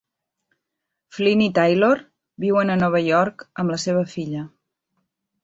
Flynn i Taylor viuen a Nova York amb la seva filla.